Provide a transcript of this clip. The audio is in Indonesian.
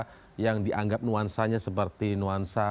sepertinya adalah yang dianggap nuansanya sepertinya adalah